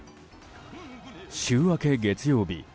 週明け月曜日